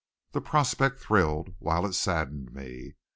The prospect thrilled while it saddened me.